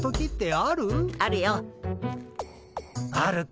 あるよっ。